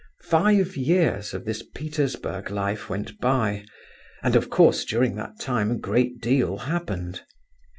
Five years of this Petersburg life went by, and, of course, during that time a great deal happened.